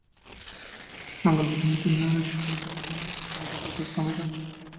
মঙ্গলবার দিন তিনি আর একবার মধ্যাহ্নভোজনে আমাদের ক্ষুদ্র ছাউনিতে আসিলেন।